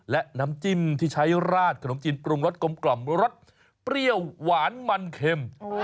และน้ำจิ้มที่ใช้ราดขนมจีนปรุงรสกลมรสเปรี้ยวหวานมันเข็ม